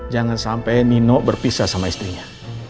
jangan sampai nino berpisah sama istrinya